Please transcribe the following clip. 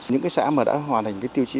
những xã mà đã hoàn thành tiêu chí